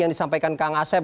yang disampaikan kang asep